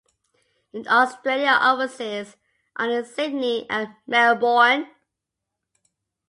In Australia offices are in Sydney and Melbourne.